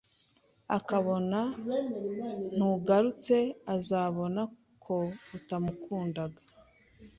akabona ntugarutse, azabona ko utamukundaga,